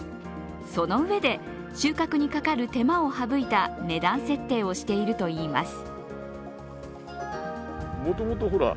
そのうえで収穫にかかる手間を省いた値段設定をしているといいます。